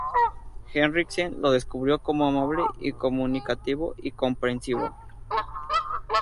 Henriksen lo describió como "amable, comunicativo y comprensivo".